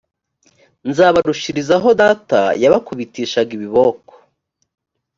nzabarushirizaho data yabakubitishaga ibiboko